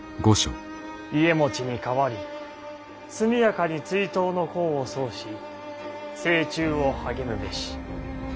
家茂に代わり速やかに追討の功を奏し誠忠を励むべし。